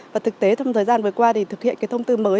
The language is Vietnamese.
và thực tế trong thời gian vừa qua thì thực hiện cái thông tư mới